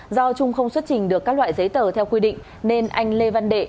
do trung không xuất trình được các loại giấy tờ theo quy định nên anh lê văn đệ